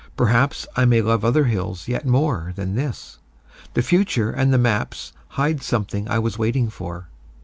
Perhaps I may love other hills yet more Than this: the future and the maps Hide something I was waiting for.